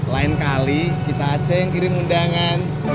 lain kali kita aja yang kirim undangan